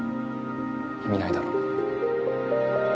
意味ないだろ。